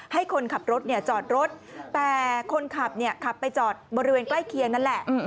ให้คนขับรถจอดรถแต่คนขับขับไปจอดบริเวณใกล้เคียงนั่นแหละ